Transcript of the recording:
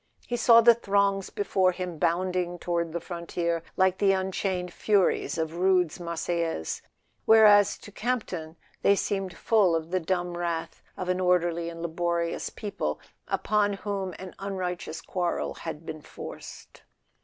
He saw the throngs before him bounding toward the frontier like the unchained furies of Rude's "Marseillaise"; where¬ as to Campton they seemed full of the dumb wrath of an orderly and laborious people upon whom an un¬ righteous quarrel has been forced.